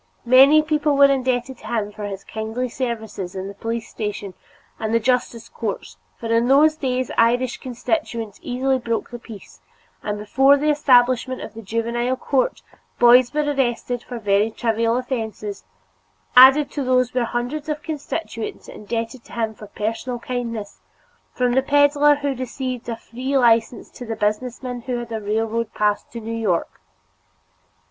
Many people were indebted to him for his kindly services in the police station and the justice courts, for in those days Irish constituents easily broke the peace, and before the establishment of the Juvenile Court, boys were arrested for very trivial offenses; added to these were hundreds of constituents indebted to him for personal kindness, from the peddler who received a free license to the businessman who had a railroad pass to New York.